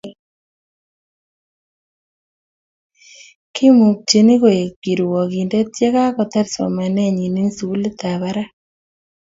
kimuchini koek kirwokinde yekakotar somanenyin eng sukulitab barak